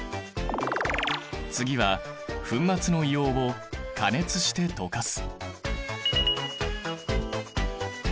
次は粉末の硫黄を加熱して溶かす。